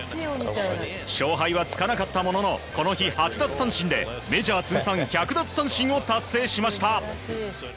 勝敗はつかなかったもののこの日８奪三振でメジャー通算１００奪三振を達成しました。